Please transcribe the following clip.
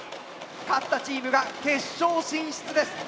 勝ったチームが決勝進出です。